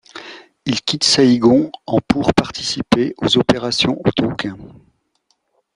Il quitte Saïgon en pour participer aux opérations au Tonkin.